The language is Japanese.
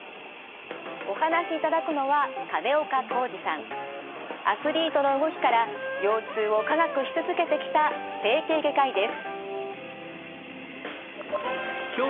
お話しいただくのはアスリートの動きから腰痛を科学し続けてきた整形外科医です。